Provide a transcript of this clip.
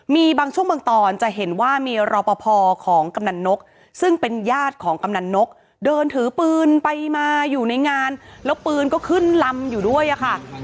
มีบางช่วงบางตอนจะเห็นว่ามีรอปภของกำนันนกซึ่งเป็นญาติของกำนันนกเดินถือปืนไปมาอยู่ในงานแล้วปืนก็ขึ้นลำอยู่ด้วยอะค่ะ